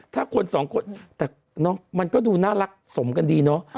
ถ้าคนสองคนแต่เนาะมันก็ดูน่ารักสมกันดีเนอะ